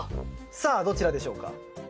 さあどちらでしょうか？